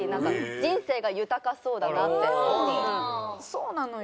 そうなのよ！